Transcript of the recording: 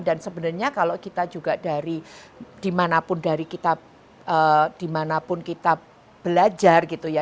dan sebenarnya kalau kita juga dari dimanapun kita belajar gitu ya